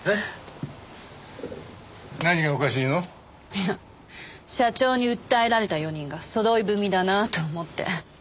いや社長に訴えられた４人がそろい踏みだなと思って。